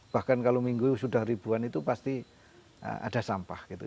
bahkan kalau minggu sudah ribuan itu pasti ada sampah gitu